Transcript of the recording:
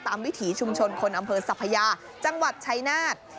วิถีชุมชนคนอำเภอสัพยาจังหวัดชายนาฏ